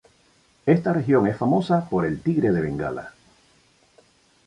Esta región es famosa por el tigre de Bengala.